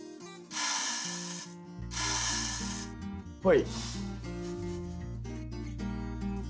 はい。